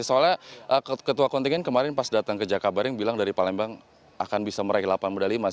soalnya ketua kontingen kemarin pas datang ke jakabaring bilang dari palembang akan bisa meraih delapan medali emas